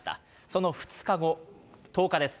その２日後、１０日です。